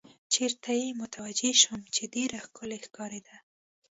چېرې ته یې متوجه شوم، چې ډېره ښکلې ښکارېده.